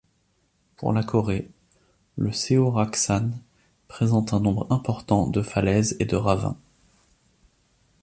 Pour la Corée, le Seoraksan présente un nombre important de falaises et de ravins.